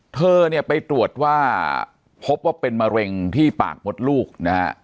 เธอเนี่ยไปตรวจว่าพบว่าเป็นมะเร็งที่ปากมดลูกนะฮะ